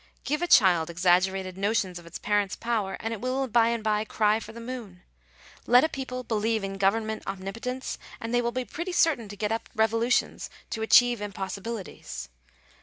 Give a child * exaggerated notions of its parent's power, and it will by and by cry for the moon. Let a people believe in government omni l potence, and they will be pretty certain to get up revolutions to | achieve impossibilities.